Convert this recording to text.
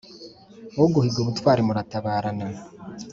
Uguhiga ubutwari muratabarana.